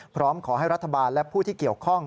พร้อมขอให้รัฐบาลและผู้ที่เกี่ยวข้อง